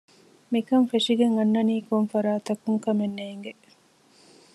މިކަން ފެށިގެން އަންނަނީ ކޮށްފަރާތަކުން ކަމެއް ނޭނގެ